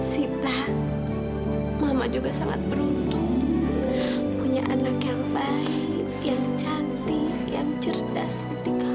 sita mama juga sangat beruntung punya anak yang baik yang cantik yang cerdas ketika